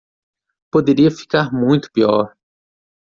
Poderia ficar muito pior.